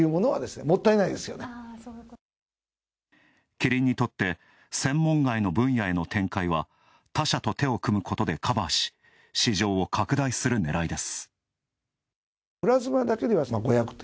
キリンにとって専門外の分野への展開は他社と手を組むことでカバーし、市場を拡大するねらいです。